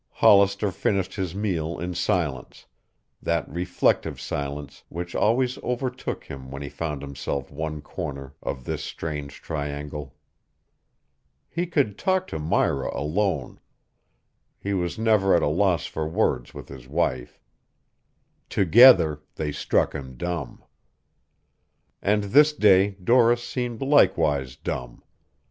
Hollister finished his meal in silence, that reflective silence which always overtook him when he found himself one corner of this strange triangle. He could talk to Myra alone. He was never at a loss for words with his wife. Together, they struck him dumb. And this day Doris seemed likewise dumb.